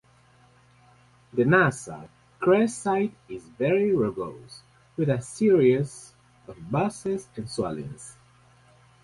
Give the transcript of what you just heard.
The nasal crest side is very rugose with a series of bosses and swellings.